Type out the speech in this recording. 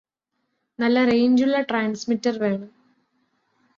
നല്ല റേഞ്ചുള്ള ട്രാന്സ്മിറ്റിര് വേണം